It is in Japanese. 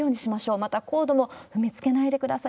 また、コードも踏みつけないでください。